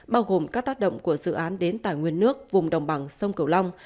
bao gồm các tác động của dự án đến tài nguyên nước vùng đồng bằng sông cửu long